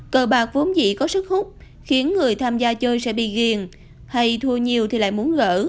cờ bạc vốn dĩ có sức hút khiến người tham gia chơi sẽ bị ghiền hay thua nhiều thì lại muốn gỡ